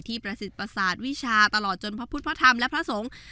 ประสิทธิ์ประสาทวิชาตลอดจนพระพุทธพระธรรมและพระสงฆ์